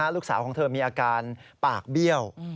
ลูกสาวของเธอมีอาการปากเบี้ยว